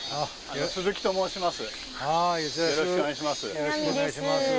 よろしくお願いします。